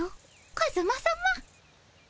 カズマさま。